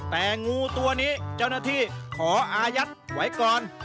แต่งูตัวนี้เจ้าหน้าที่ขออายัดไว้ก่อน